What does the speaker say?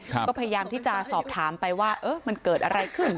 ก็พยายามที่จะสอบถามไปว่ามันเกิดอะไรขึ้น